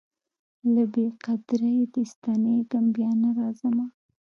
له بې قدریه دي ستنېږمه بیا نه راځمه